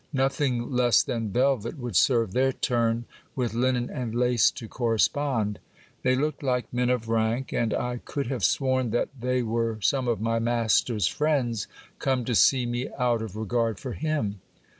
Nothing less than velvet would serve their turn, with linen and lace to correspond. They looked like men of rank ; and I could have sworn that they were some of my master's friends come to see me out of regard for him.